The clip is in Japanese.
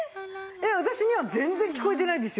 私には全然聞こえてないですよね？